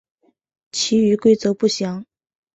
其余规则不详。